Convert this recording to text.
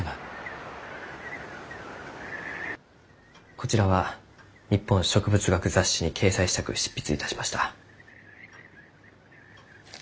こちらは「日本植物学雑誌」に掲載したく執筆いたしました。